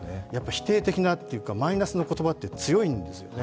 否定的なっていうかマイナスの言葉って強いんですよね、